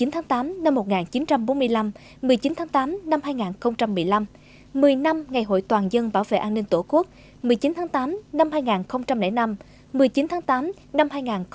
một mươi tháng tám năm một nghìn chín trăm bốn mươi năm một mươi chín tháng tám năm hai nghìn một mươi năm một mươi năm ngày hội toàn dân bảo vệ an ninh tổ quốc một mươi chín tháng tám năm hai nghìn năm một mươi chín tháng tám năm hai nghìn một mươi chín